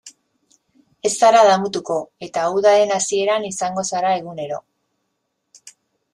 Ez zara damutuko, eta udaren hasieran izango zara egunero.